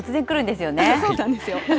そうなんですよ。